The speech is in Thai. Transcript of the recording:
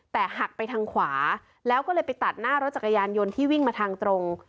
แต่หักไปทางขวาแล้วก็เลยไปตัดหน้ารถจักรยานยนต์ที่วิ่งมาทางตรง